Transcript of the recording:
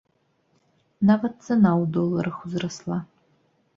Нават цана ў доларах узрасла!